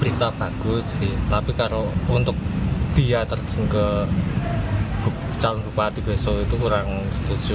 berita bagus tapi kalau untuk dia terjun ke calon bupati besok itu kurang setuju